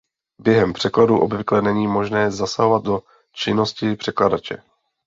Během překladu obvykle není možné zasahovat do činnosti překladače.